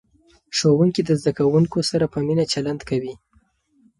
ښوونکي د زده کوونکو سره په مینه چلند کوي.